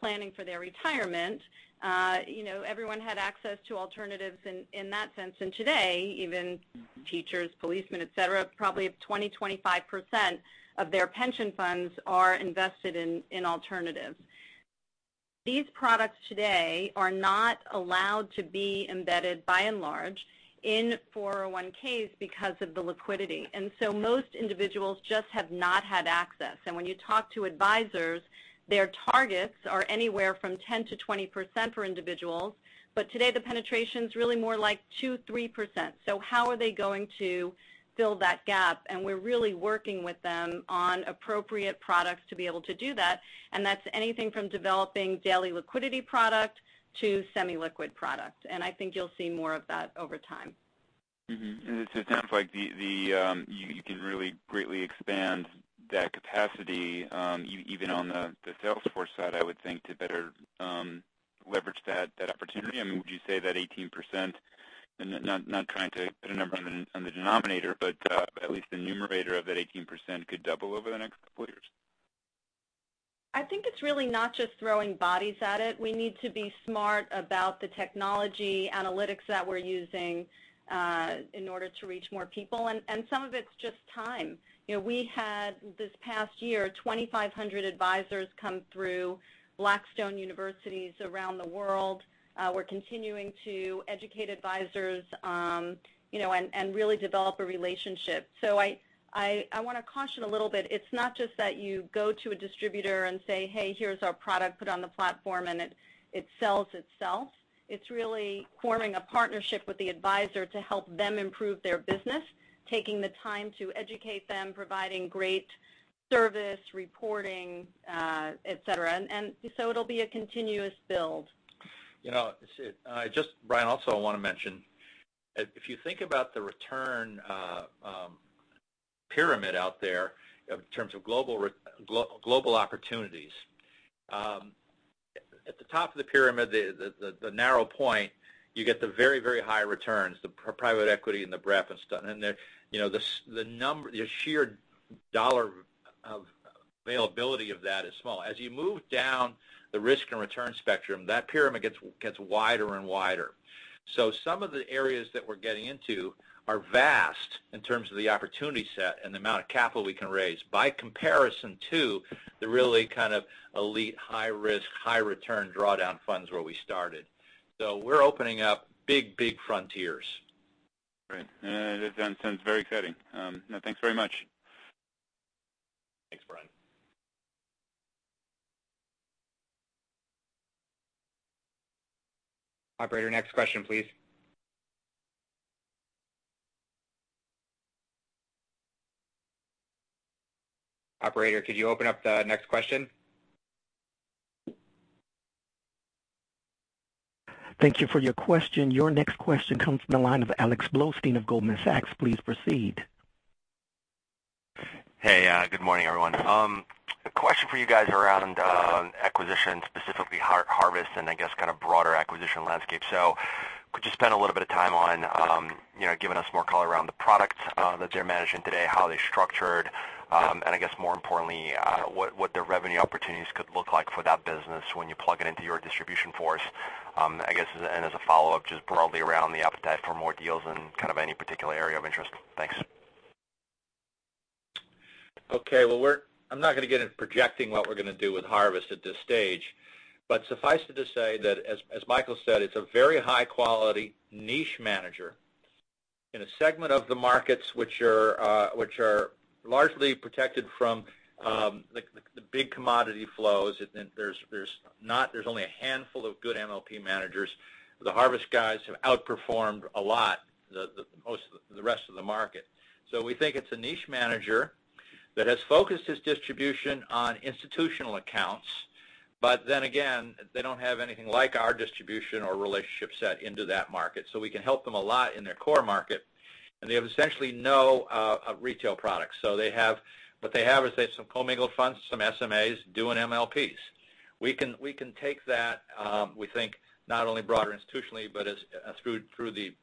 planning for their retirement, everyone had access to alternatives in that sense. Today, even teachers, policemen, et cetera, probably 20%-25% of their pension funds are invested in alternatives. These products today are not allowed to be embedded by and large in 401(k)s because of the liquidity. Most individuals just have not had access. When you talk to advisors, their targets are anywhere from 10%-20% for individuals. Today the penetration's really more like 2%-3%. How are they going to fill that gap? We're really working with them on appropriate products to be able to do that's anything from developing daily liquidity product to semi-liquid product. I think you'll see more of that over time. It sounds like you can really greatly expand that capacity, even on the sales force side, I would think, to better leverage that opportunity. Would you say that 18%, not trying to put a number on the denominator, but at least the numerator of that 18% could double over the next couple of years? I think it's really not just throwing bodies at it. We need to be smart about the technology analytics that we're using in order to reach more people. Some of it's just time. We had this past year, 2,500 advisors come through Blackstone University around the world. We're continuing to educate advisors, and really develop a relationship. I want to caution a little bit. It's not just that you go to a distributor and say, "Hey, here's our product. Put it on the platform," and it sells itself. It's really forming a partnership with the advisor to help them improve their business, taking the time to educate them, providing great service, reporting, et cetera. It'll be a continuous build. Brian, also I want to mention, if you think about the return pyramid out there in terms of global opportunities. At the top of the pyramid, the narrow point, you get the very, very high returns, the private equity and the breadth and stuff. The sheer dollar availability of that is small. As you move down the risk and return spectrum, that pyramid gets wider and wider. Some of the areas that we're getting into are vast in terms of the opportunity set and the amount of capital we can raise by comparison to the really kind of elite, high risk, high return drawdown funds where we started. We're opening up big frontiers. Great. That sounds very exciting. Thanks very much. Thanks, Brian. Operator, next question, please. Operator, could you open up the next question? Thank you for your question. Your next question comes from the line of Alex Blostein of Goldman Sachs. Please proceed. Hey, good morning, everyone. A question for you guys around acquisition, specifically Harvest and I guess broader acquisition landscape. Could you spend a little bit of time on giving us more color around the products that they're managing today, how they're structured, and I guess more importantly, what the revenue opportunities could look like for that business when you plug it into your distribution force? I guess, as a follow-up, just broadly around the appetite for more deals in any particular area of interest. Thanks. Okay. Well, I'm not going to get into projecting what we're going to do with Harvest at this stage. Suffice it to say that, as Michael said, it's a very high-quality niche manager in a segment of the markets which are largely protected from the big commodity flows. There's only a handful of good MLP managers. The Harvest guys have outperformed a lot the rest of the market. We think it's a niche manager that has focused its distribution on institutional accounts. Then again, they don't have anything like our distribution or relationship set into that market. We can help them a lot in their core market. They have essentially no retail products. What they have is they have some commingled funds, some SMAs doing MLPs. We can take that we think not only broader institutionally, but through the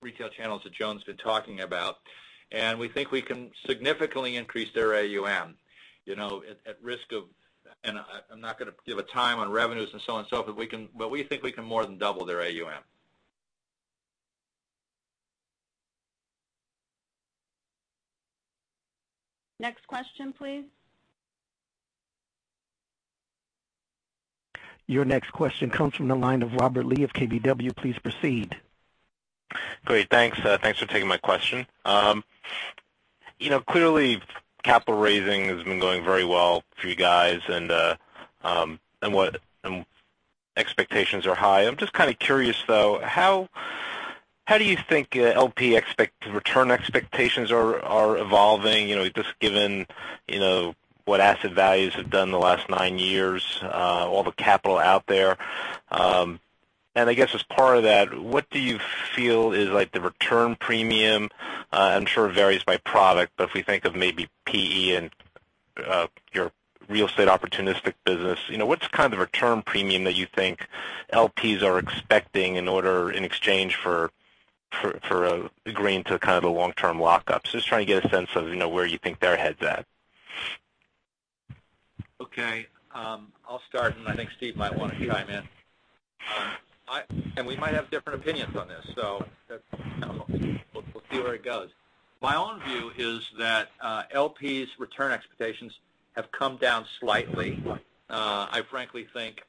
retail channels that Joan's been talking about, and we think we can significantly increase their AUM. At risk of, I'm not going to give a time on revenues and so on, so forth, but we think we can more than double their AUM. Next question, please. Your next question comes from the line of Robert Lee of KBW. Please proceed. Great. Thanks for taking my question. Clearly capital raising has been going very well for you guys, expectations are high. I'm just curious though, how do you think LP return expectations are evolving, just given what asset values have done in the last nine years, all the capital out there. I guess as part of that, what do you feel is the return premium? I'm sure it varies by product, but if we think of maybe PE and your real estate opportunistic business, what's the return premium that you think LPs are expecting in exchange for agreeing to a long-term lockup? Just trying to get a sense of where you think their head's at. Okay. I'll start, I think Steve might want to chime in. We might have different opinions on this. We'll see where it goes. My own view is that LPs return expectations have come down slightly. I frankly think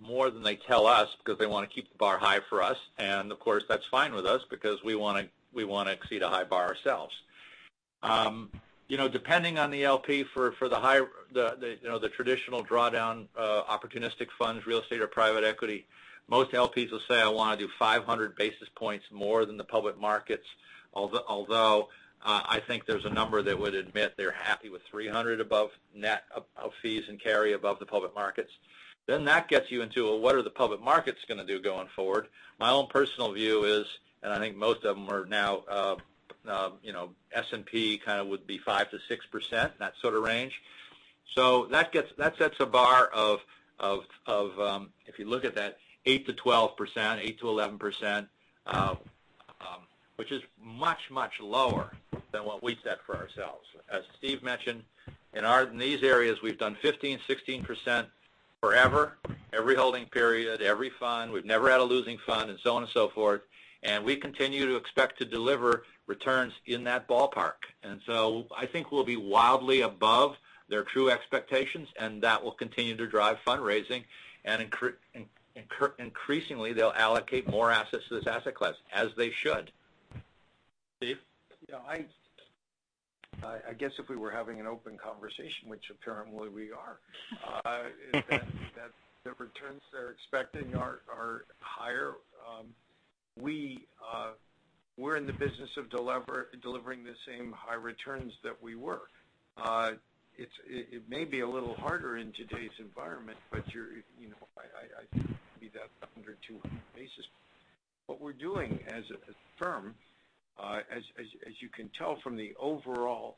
more than they tell us because they want to keep the bar high for us, and of course, that's fine with us because we want to exceed a high bar ourselves. Depending on the LP for the traditional drawdown opportunistic funds, real estate or private equity, most LPs will say, "I want to do 500 basis points more than the public markets." Although I think there's a number that would admit they're happy with 300 above net of fees and carry above the public markets. That gets you into, well, what are the public markets going to do going forward? My own personal view is, I think most of them are now S&P kind of would be 5%-6%, that sort of range. That sets a bar of, if you look at that, 8%-12%, 8%-11%, which is much, much lower than what we set for ourselves. As Steve mentioned, in these areas, we've done 15%, 16% forever, every holding period, every fund. We've never had a losing fund, and so on and so forth. We continue to expect to deliver returns in that ballpark. I think we'll be wildly above their true expectations, and that will continue to drive fundraising. Increasingly, they'll allocate more assets to this asset class, as they should. Steve? Yeah. I guess if we were having an open conversation, which apparently we are, is that the returns they're expecting are higher. We're in the business of delivering the same high returns that we were. It may be a little harder in today's environment, but I think it could be that 100, 200 basis. What we're doing as a firm, as you can tell from the overall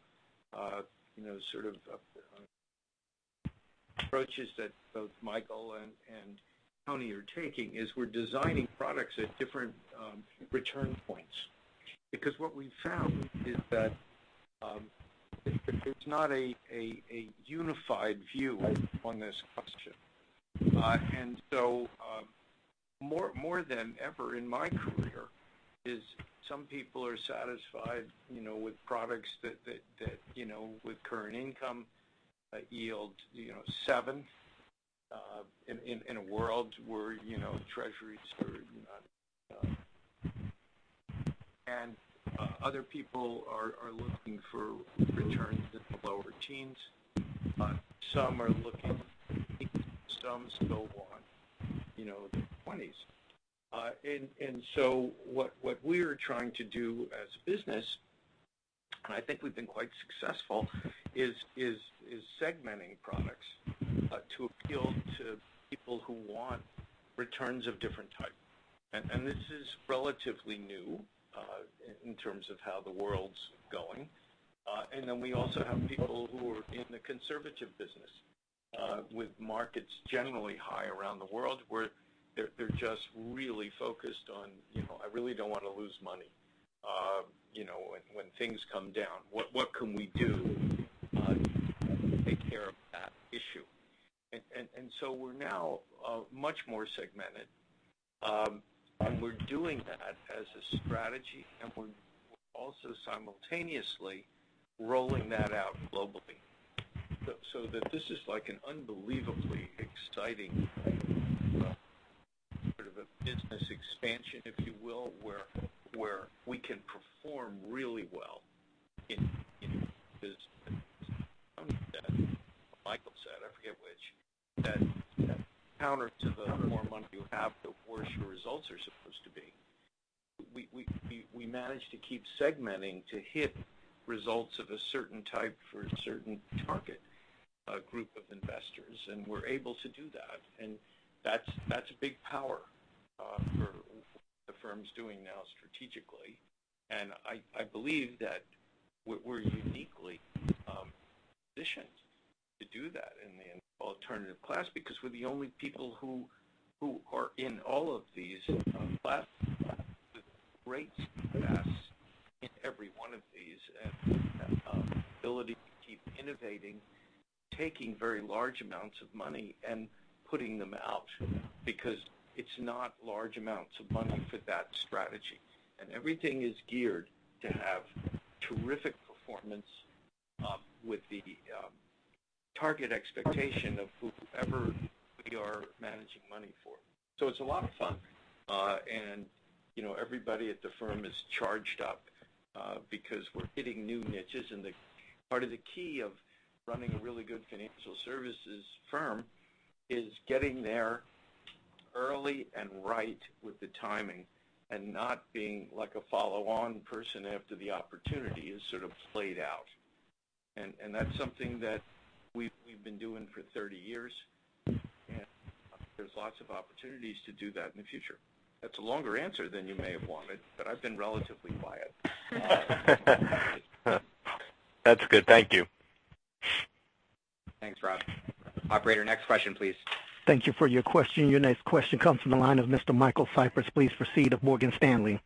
sort of approaches that both Michael and Tony are taking, is we're designing products at different return points. Because what we've found is that it's not a unified view on this question. More than ever in my career is some people are satisfied with products that, with current income yield, seven, in a world where treasuries are. Other people are looking for returns in the lower teens. Some are looking, some still want the 20s. What we are trying to do as a business, and I think we've been quite successful, is segmenting products to appeal to people who want returns of different type. This is relatively new in terms of how the world's going. Then we also have people who are in the conservative business with markets generally high around the world, where they're just really focused on, "I really don't want to lose money when things come down. What can we do to take care of that issue?" We're now much more segmented. We're doing that as a strategy, and we're also simultaneously rolling that out globally. That this is an unbelievably exciting sort of a business expansion, if you will, where we can perform really well in business. Tony said, or Michael said, I forget which, that counter to the more money you have, the worse your results are supposed to be. We manage to keep segmenting to hit results of a certain type for a certain target group of investors. We're able to do that. That's a big power for the firms doing now strategically. I believe that we're uniquely positioned to do that in the alternative class because we're the only people who are in all of these classes with great success in every one of these, and ability to keep innovating, taking very large amounts of money and putting them out, because it's not large amounts of money for that strategy. Everything is geared to have terrific performance with the target expectation of whomever we are managing money for. It's a lot of fun. Everybody at the firm is charged up because we're hitting new niches. Part of the key of running a really good financial services firm is getting there early and right with the timing, and not being a follow-on person after the opportunity has sort of played out. That's something that we've been doing for 30 years. There's lots of opportunities to do that in the future. That's a longer answer than you may have wanted, but I've been relatively quiet. That's good. Thank you. Thanks, Rob. Operator, next question, please. Thank you for your question. Your next question comes from the line of Mr. Michael Cyprys. Please proceed of Morgan Stanley.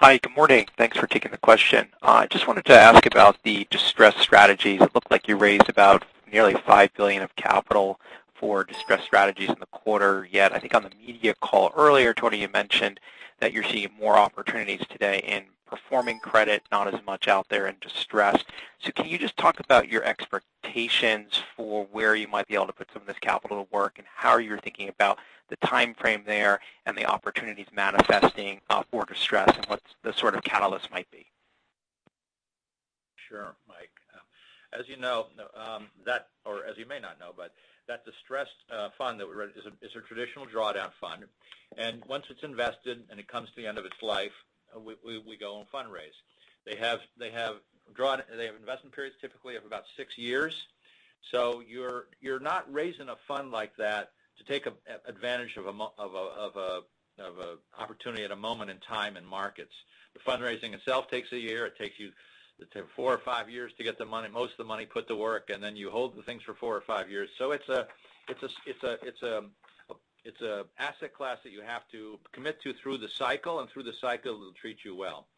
Hi. Good morning. Thanks for taking the question. I just wanted to ask about the distressed strategies. It looked like you raised about nearly $5 billion of capital for distressed strategies in the quarter. Yet, I think on the media call earlier, Tony, you mentioned that you're seeing more opportunities today in performing credit, not as much out there in distressed. Can you just talk about your expectations for where you might be able to put some of this capital to work, and how you're thinking about the timeframe there, and the opportunities manifesting for distressed, and what the sort of catalyst might be? Sure, Mike. As you know, or as you may not know, but that distressed fund that we raised is a traditional drawdown fund. Once it's invested and it comes to the end of its life, we go and fundraise. They have investment periods typically of about six years. You're not raising a fund like that to take advantage of an opportunity at a moment in time in markets. The fundraising itself takes one year. It takes you four or five years to get most of the money put to work, and then you hold the things for four or five years. It's an asset class that you have to commit to through the cycle, and through the cycle, it'll treat you well.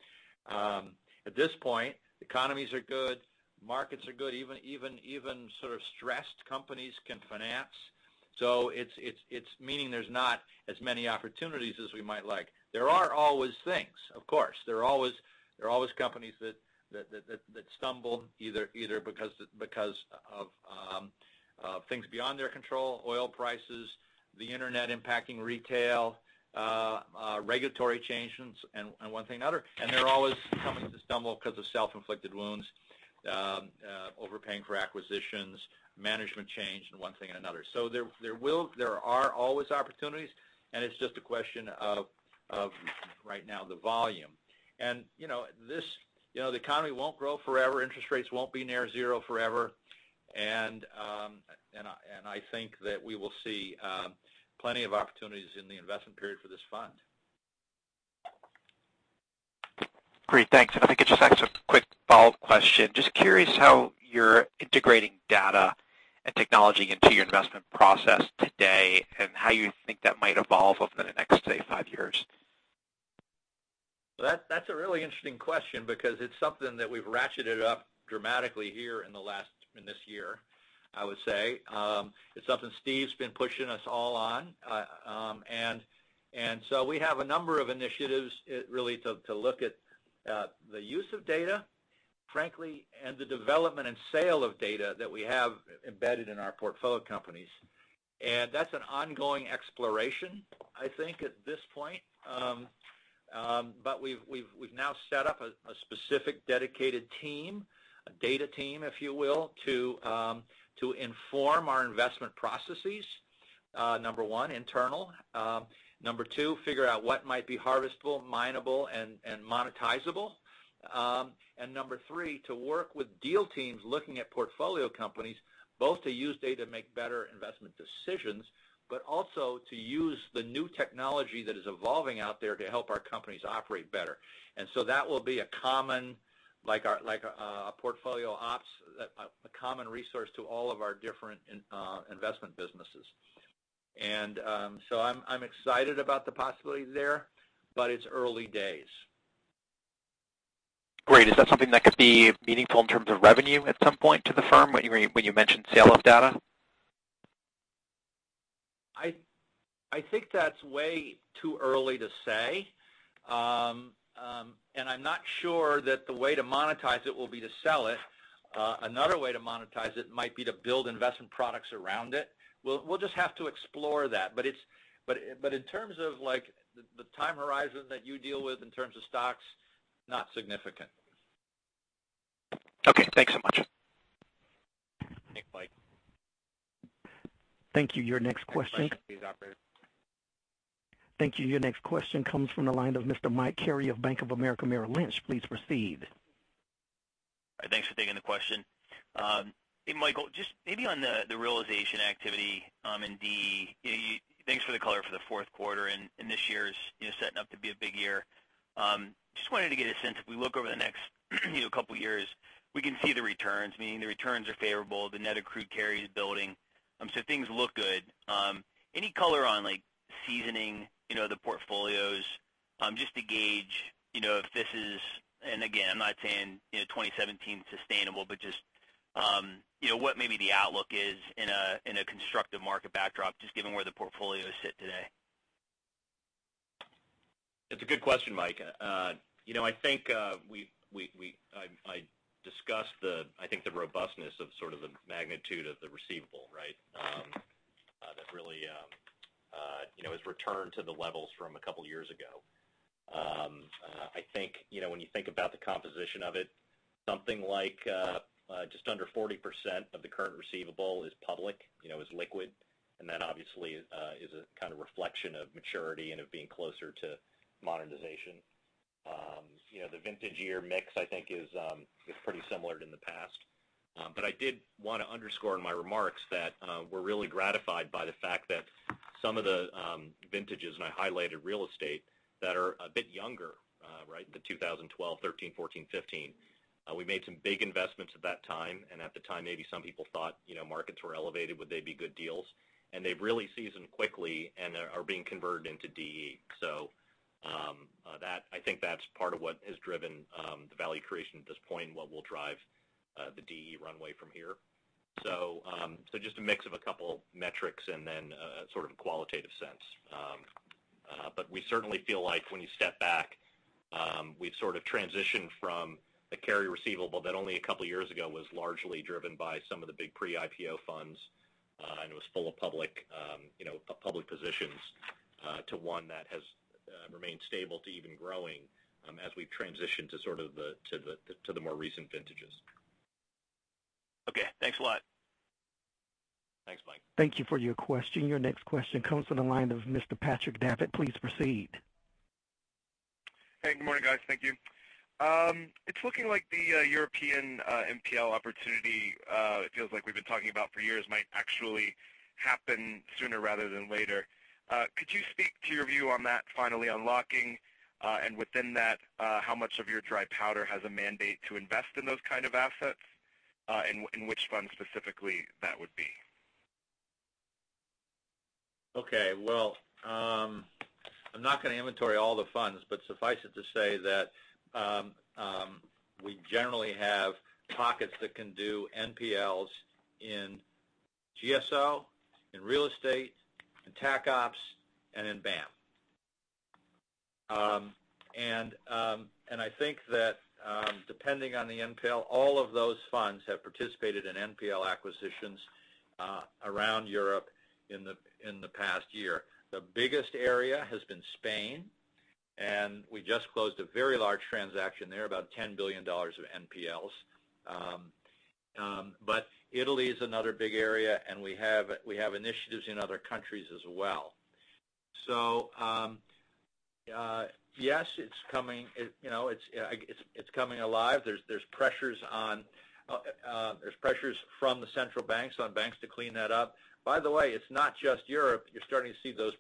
At this point, economies are good, markets are good. Even sort of stressed companies can finance. It's meaning there's not as many opportunities as we might like. There are always things, of course. There are always companies that stumble either because of things beyond their control, oil prices, the internet impacting retail, regulatory changes, and one thing or another. There are always companies that stumble because of self-inflicted wounds, overpaying for acquisitions, management change, and one thing and another. There are always opportunities, and it's just a question of, right now, the volume. The economy won't grow forever. Interest rates won't be near zero forever. I think that we will see plenty of opportunities in the investment period for this fund. Great. Thanks. If I could just ask a quick follow-up question. Just curious how you're integrating data and technology into your investment process today, and how you think that might evolve over the next, say, five years. Well, that's a really interesting question because it's something that we've ratcheted up dramatically here in this year, I would say. It's something Steve's been pushing us all on. So we have a number of initiatives really to look at the use of data, frankly, and the development and sale of data that we have embedded in our portfolio companies. That's an ongoing exploration, I think, at this point. We've now set up a specific dedicated team, a data team, if you will, to inform our investment processes. Number one, internal. Number two, figure out what might be harvestable, mineable, and monetizable. Number three, to work with deal teams looking at portfolio companies, both to use data to make better investment decisions, but also to use the new technology that is evolving out there to help our companies operate better. That will be a common resource to all of our different investment businesses. I'm excited about the possibilities there, but it's early days. Great. Is that something that could be meaningful in terms of revenue at some point to the firm, when you mentioned sale of data? I think that's way too early to say. I'm not sure that the way to monetize it will be to sell it. Another way to monetize it might be to build investment products around it. We'll just have to explore that. In terms of the time horizon that you deal with in terms of stocks, not significant. Okay. Thanks so much. Thanks, Mike. Thank you. Your next question- Next question, please, operator. Thank you. Your next question comes from the line of Mr. Mike Carrier of Bank of America Merrill Lynch. Please proceed. All right. Thanks for taking the question. Hey, Michael, just maybe on the realization activity in DE. Thanks for the color for the fourth quarter, and this year's setting up to be a big year. Just wanted to get a sense, if we look over the next couple of years, we can see the returns, meaning the returns are favorable. The net accrued carry is building. Things look good. Any color on seasoning the portfolios? Just to gauge if this is, and again, I'm not saying 2017's sustainable, but just what maybe the outlook is in a constructive market backdrop, just given where the portfolios sit today. That's a good question, Mike. I discussed the robustness of sort of the magnitude of the receivable, that really has returned to the levels from a couple of years ago. When you think about the composition of it, something like just under 40% of the current receivable is public, is liquid, and that obviously is a kind of reflection of maturity and of being closer to monetization. The vintage year mix, is pretty similar to the past. I did want to underscore in my remarks that we're really gratified by the fact that some of the vintages, and I highlighted real estate, that are a bit younger. The 2012, 2013, 2014, 2015. We made some big investments at that time. At the time, maybe some people thought markets were elevated, would they be good deals? They've really seasoned quickly and are being converted into DE. I think that's part of what has driven the value creation at this point and what will drive the DE runway from here. Just a mix of a couple metrics and then sort of a qualitative sense. We certainly feel like when you step back, we've sort of transitioned from the carry receivable that only a couple of years ago was largely driven by some of the big pre-IPO funds, and it was full of public positions, to one that has remained stable to even growing as we've transitioned to sort of the more recent vintages. Okay. Thanks a lot. Thank you for your question. Your next question comes from the line of Mr. Patrick Davitt. Please proceed. Hey, good morning, guys. Thank you. It's looking like the European NPL opportunity it feels like we've been talking about for years might actually happen sooner rather than later. Could you speak to your view on that finally unlocking? Within that, how much of your dry powder has a mandate to invest in those kind of assets? Which fund specifically that would be? Well, I'm not going to inventory all the funds, but suffice it to say that we generally have pockets that can do NPLs in GSO, in real estate, in TacOps, and in BAAM. I think that depending on the NPL, all of those funds have participated in NPL acquisitions around Europe in the past year. The biggest area has been Spain, and we just closed a very large transaction there, about $10 billion of NPLs. Italy is another big area, and we have initiatives in other countries as well. Yes, it's coming alive. There's pressures from the central banks on banks to clean that up. By the way, it's not just Europe. You're starting to see those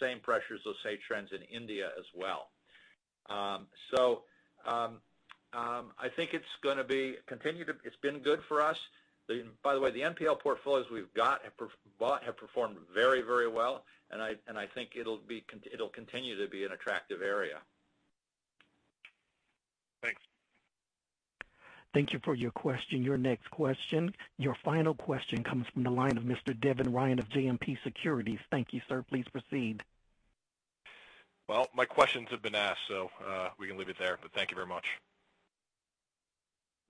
same pressures, those same trends in India as well. I think it's been good for us. By the way, the NPL portfolios we've bought have performed very well, and I think it'll continue to be an attractive area. Thanks. Thank you for your question. Your next question, your final question comes from the line of Mr. Devin Ryan of JMP Securities. Thank you, sir. Please proceed. Well, my questions have been asked, so we can leave it there. Thank you very much.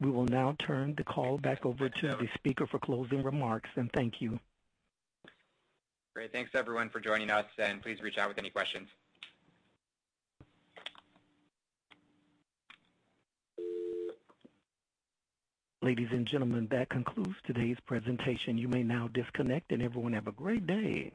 We will now turn the call back over to the speaker for closing remarks, and thank you. Great. Thanks, everyone, for joining us, and please reach out with any questions. Ladies and gentlemen, that concludes today's presentation. You may now disconnect, and everyone have a great day.